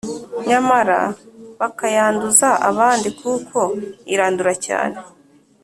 nyamara bakayanduza abandi kuko irandura cyane